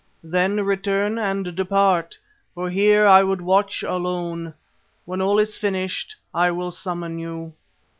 Then return and depart, for here I would watch alone. When all is finished I will summon you."